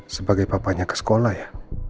sebagai papanya ke sekolah ya